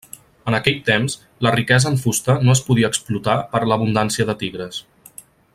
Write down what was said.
En aquell temps la riquesa en fusta no es podia explotar per l'abundància de tigres.